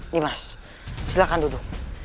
nimas silahkan duduk